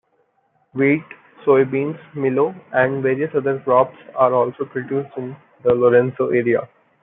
Wheat, soybeans, milo, and various other crops are also produced in the Lorenzo area.